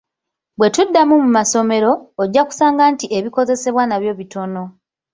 Bwe tuddako mu masomero, ojja kusanga nti ebikozesebwa nabyo bitono.